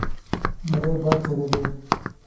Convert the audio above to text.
نری باد چلېده.